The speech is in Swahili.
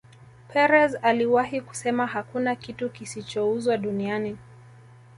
Perez aliwahi kusema hakuna kitu kisichouzwa duniani